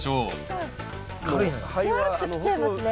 ふわっときちゃいますね。